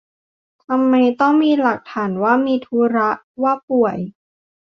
ทำไมต้องมีหลักฐานว่ามีธุระ ว่าป่วย